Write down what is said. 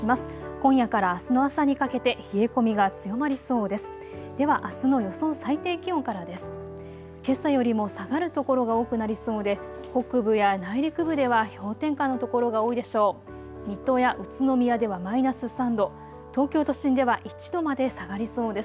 今夜からあすの朝にかけて冷え込みが強まりそうです。